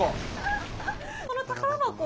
この宝箱を。